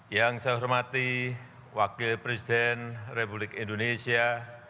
yang saya hormati wakil presiden republik indonesia